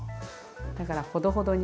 だからほどほどに。